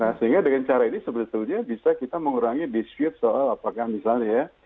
nah sehingga dengan cara ini sebetulnya bisa kita mengurangi dispute soal apakah misalnya ya